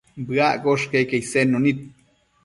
Bëaccosh queque isednu nid